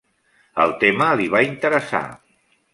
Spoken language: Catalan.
El tema li va interessar.